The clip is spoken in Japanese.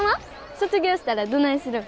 卒業したらどないするん？